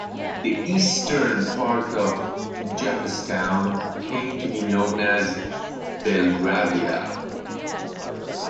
The eastern part of Jeppestown came to be known as Belgravia.